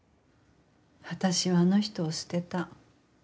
私はあの人を捨てた。